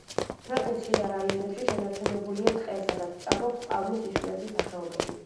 ქვეყნის შიდა რაიონებში შენარჩუნებულია ტყე, სადაც ჭარბობს პალმის იშვიათი სახეობები.